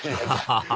ハハハハ！